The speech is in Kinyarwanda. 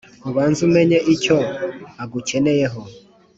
ubanze umenye icyo agukeneyeho,